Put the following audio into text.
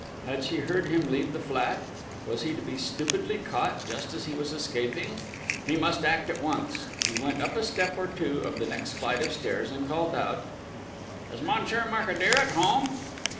Had she heard him leave the flat? Was he to be stupidly caught, just as he was escaping?... He must act at once. He went up a step or two of the next flight of stairs and called out: "Is Monsieur Mercadier at home?"